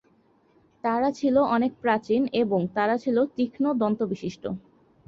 তারা ছিল অনেক প্রাচীন এবং তারা ছিল তীক্ষ্ণ-দন্তবিশিষ্ট।